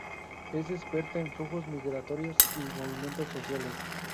Es experta en flujos migratorios y movimientos sociales.